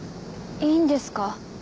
いいんですか？